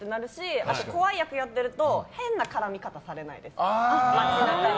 あと怖い役やってると変な絡みとかされないです街中で。